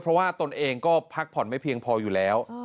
เพราะว่าตนเองก็พักผ่อนไม่เพียงพออยู่แล้ว